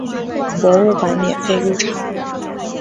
博物馆免费入场。